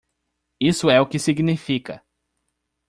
Isso é o que significa!